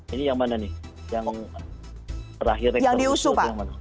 ini yang mana nih yang diusuh pak